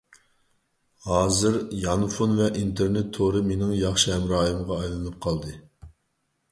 ھازىر يانفون ۋە ئىنتېرنېت تورى مېنىڭ ياخشى ھەمراھىمغا ئايلىنىپ قالدى.